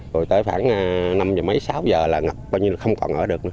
rồi tới phản năm giờ mấy sáu giờ là ngập bao nhiêu là không còn ở được nữa